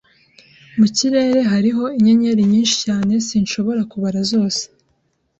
Mu kirere hariho inyenyeri nyinshi cyane, sinshobora kubara zose.